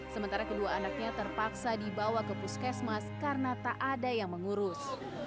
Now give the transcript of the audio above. sementara kedua anaknya terpaksa dibawa ke puskesmas karena tak ada yang mengurus